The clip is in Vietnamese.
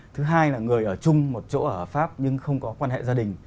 thứ hai là người ở chung một chỗ ở hợp pháp nhưng không có quan hệ gia đình